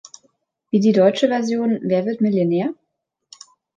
Wie die deutsche Version "Wer wird Millionär?